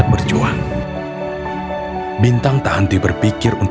di luar barat di wilayah